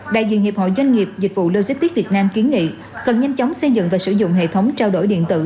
đại diện hiệp hội doanh nghiệp dịch vụ logistics việt nam kiến nghị cần nhanh chóng xây dựng và sử dụng hệ thống trao đổi điện tử